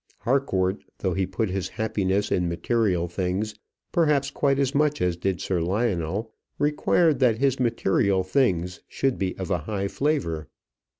Harcourt, though he put his happiness in material things perhaps quite as much as did Sir Lionel, required that his material things should be of a high flavour.